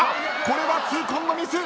これは痛恨のミス！